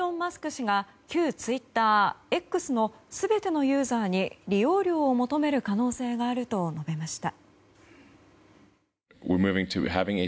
氏が旧ツイッター「Ｘ」の全てのユーザーに利用料を求める可能性があると述べました。